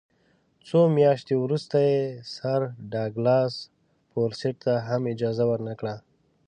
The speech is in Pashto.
څو میاشتې وروسته یې سر ډاګلاس فورسیت ته هم اجازه ورنه کړه.